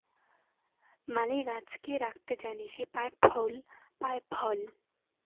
মালী গাছকে রাখতে জানে, সে পায় ফুল, পায় ফল।